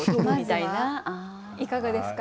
いかがですか？